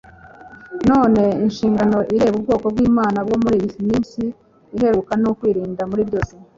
none inshingano ireba ubwoko bw'imana bwo mur'iyi minsi iheruka ni ukwirinda muri byose